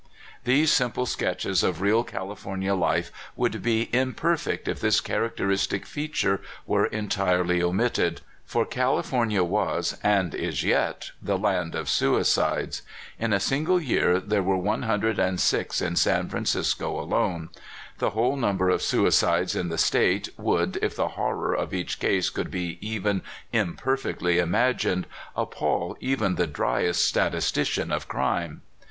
These simple Sketches of real California life would be imperfect if this characteristic feature were entire ty omitted, for California was (and is yet) the land of suicides. In a single year there were one hundred and six in San Francisco alone. The whole number of suicides in the State would, if the horror of each case could be even imperfectly im agined, appall even the dryest statistician of crime.